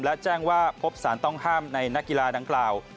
และแจ้งว่าพบสารต้องห้ามในนักกีฬาดังกล่าว